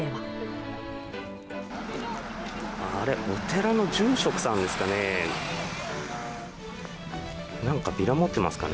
あれ、お寺の住職さんですかね。